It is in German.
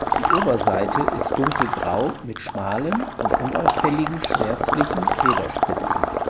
Die Oberseite ist dunkelgrau mit schmalen und unauffälligen schwärzlichen Federspitzen.